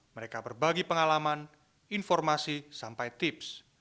mereka berbagi pengalaman informasi sampai tips